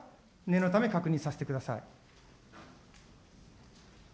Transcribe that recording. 念のため確認させてください。